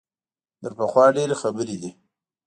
تر پخوا ډېرې خبرې دي.